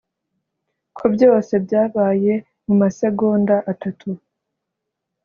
ko byose byabaye mumasegonda atatu.